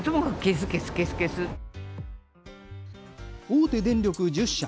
大手電力１０社。